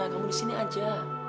kamu disini aja